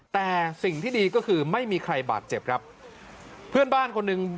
แต่สิ่งที่ดีก็คือไม่มีใครบาดเจ็บครับเพื่อนบ้านคนหนึ่ง